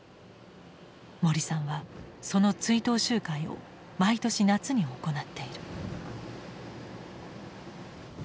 森さんはその追悼集会を毎年夏に行っている。